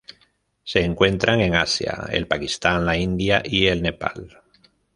Se encuentran en Asia: el Pakistán la India y el Nepal.